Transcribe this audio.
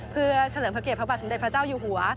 เพื่อเฉลิมพระเกียรติพระบาทสมเด็จพระเจ้าอยู่หัว